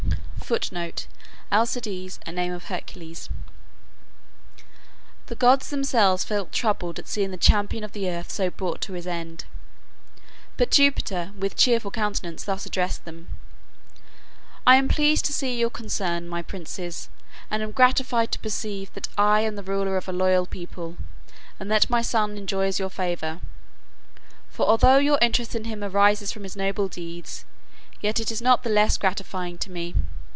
[Footnote: Alcides, a name of Hercules.] The gods themselves felt troubled at seeing the champion of the earth so brought to his end. But Jupiter with cheerful countenance thus addressed them: "I am pleased to see your concern, my princes, and am gratified to perceive that I am the ruler of a loyal people, and that my son enjoys your favor. For although your interest in him arises from his noble deeds, yet it is not the less gratifying to me.